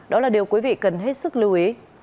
đó là điều quý vị cần hết sức lưu ý